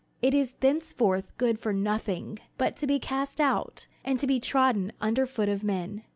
it is thenceforth good for nothing, but to be cast out, and to be trodden under foot of men.